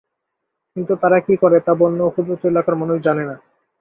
কিন্তু তারা কী করে, তা বন্যা উপদ্রুত এলাকার মানুষ জানে না।